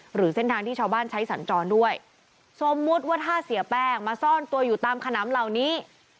หรือเส้นทางที่ชาวบ้านใช้สัญจรด้วยสมมุติว่าถ้าเสียแป้งมาซ่อนตัวอยู่ตามขนำเหล่านี้